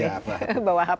bawa hp masih